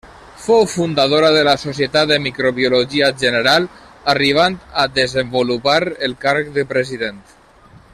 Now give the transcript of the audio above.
Fou fundadora de la Societat de Microbiologia General, arribant a desenvolupar el càrrec de president.